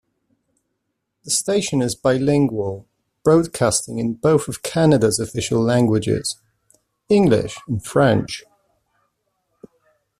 The station is bilingual, broadcasting in both of Canada's official languages; English and French.